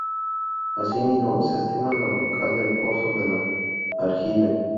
Así mismo se estima la brocal del pozo de la aljibe.